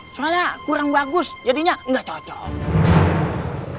soalnya kurang bagus jadinya nggak cocok